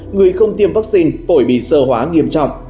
người không tiêm vaccine phổi bị sơ hóa nghiêm trọng